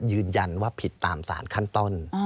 ยืนยันว่าผิดตามสารขั้นต้น